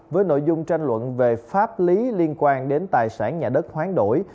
với nội dung tranh luận về pháp lý liên quan đến tài sản nhà đất hoán đổi